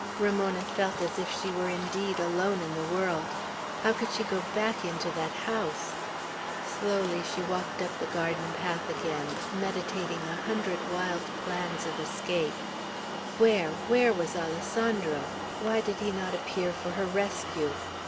Ramona felt as if she were indeed alone in the world. How could she go back into that house! Slowly she walked up the garden path again, meditating a hundred wild plans of escape. Where, where was Alessandro? Why did he not appear for her rescue?